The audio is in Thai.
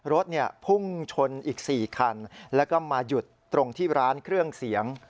รถพุ่งชนอีก๔คันแล้วก็มาหยุดตรงที่ร้านเครื่องเสียง